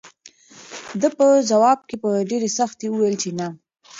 ده په ځواب کې په ډېرې سختۍ وویل چې نه.